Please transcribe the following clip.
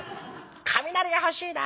「雷が欲しいな。